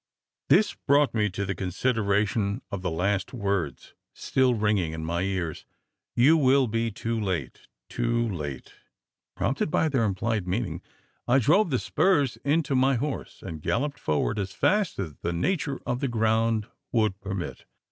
This brought me to the consideration of the last words, still ringing in my ears: "You will be too late too late!" Prompted by their implied meaning, I drove the spurs into my horse, and galloped forward as fast as the nature of the ground would permit.